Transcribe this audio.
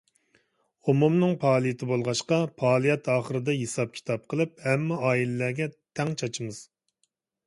ئومۇمنىڭ پائالىيىتى بولغاچقا، پائالىيەت ئاخىرىدا ھېساب-كىتاب قىلىپ، ھەممە ئائىلىلەرگە تەڭ چاچىمىز.